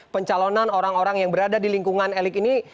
pencalonan orang orang yang berada di lingkungan elit ini